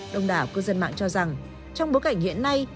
đông đảo cư dân mạng cho rằng trong bối cảnh hiện nay